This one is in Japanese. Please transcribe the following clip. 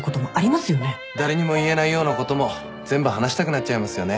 誰にも言えないようなことも全部話したくなっちゃいますよね。